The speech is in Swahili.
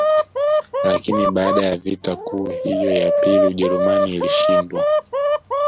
Lakini baada ya vita kuu hiyo ya pili Ujerumani ilishindwa